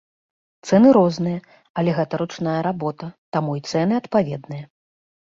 Цэны розныя, але гэта ручная работа, таму і цэны адпаведныя.